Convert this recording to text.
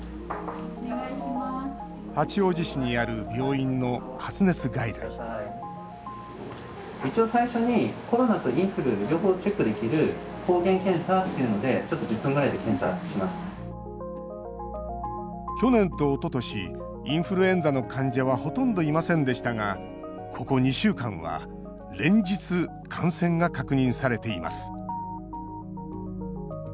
八王子市にある病院の発熱外来去年と、おととしインフルエンザの患者はほとんどいませんでしたがここ２週間は連日、感染が確認されています。